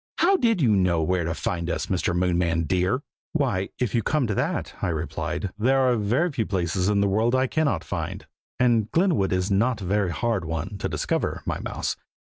How did you know where to find us, Mr. Moonman, dear?" "Why, if you come to that," I replied, "there are very few places in the world that I cannot find, and Glenwood is not a very hard one to discover, my mouse.